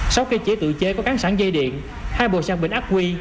sau khi chĩa tự chế có các sản dây điện hai bộ sản bình ác quy